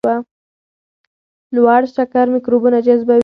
لوړ شکر میکروبونه جذبوي.